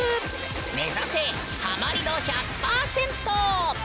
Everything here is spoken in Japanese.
目指せハマり度１００％！